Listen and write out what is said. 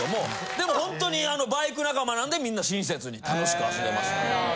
でもほんとにあのバイク仲間なんでみんな親切に楽しく走れました。